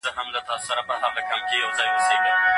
کتاب د انسان پر اړیکو مثبت اغېز کوي.